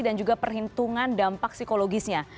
dan juga perhitungan dampak psikologisnya